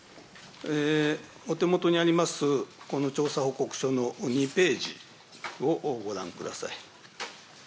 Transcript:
お手元にあります、この調査報告書の２ページをご覧ください。